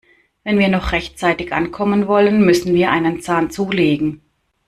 Wenn wir noch rechtzeitig ankommen wollen, müssen wir einen Zahn zulegen.